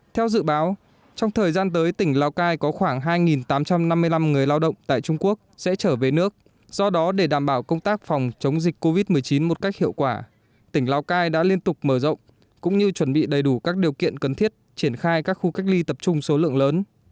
theo dự báo trong thời gian tới tỉnh lào cai có khoảng hai tám trăm năm mươi năm người lao động tại trung quốc sẽ trở về nước do đó để đảm bảo công tác phòng chống dịch covid một mươi chín một cách hiệu quả tỉnh lào cai đã liên tục mở rộng cũng như chuẩn bị đầy đủ các điều kiện cần thiết triển khai các khu cách ly tập trung số lượng lớn